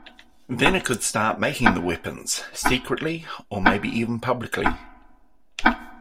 Then it could start making the weapons - secretly or maybe even publicly.